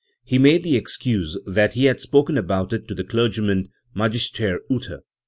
He made the excuse that he had spoken about it to the clergyman, Magister Uthe.